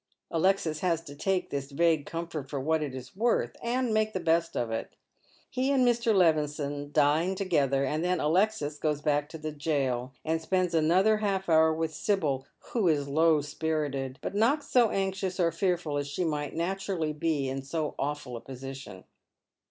Alexis has to take this vague comfort for what it is worth, and make the best of it. He and ]\Ir. Levison dine together, and then Alexis goes back to the jail and spends another half hour with Sibyl, who is low spirited, but not so anxious or fearful as she might naturally be in so awful a position.